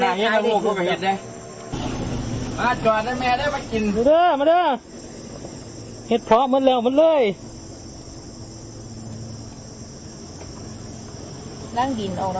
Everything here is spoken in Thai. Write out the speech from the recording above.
ล่างกินออกเราเท่านี้น่ะเออต้องไปล่างสิ